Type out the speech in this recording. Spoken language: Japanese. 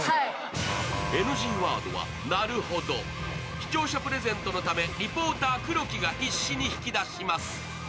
視聴者プレゼントのため、リポーター・黒木が必死に引き出します。